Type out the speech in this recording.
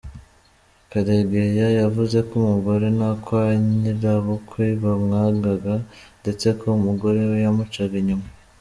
Karegeya yavuze ko umugore no kwa nyirabukwe bamwaganga ndetse ko umugore we yamucaga inyuma.